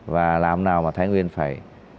và làm nào mà thái nguyên phải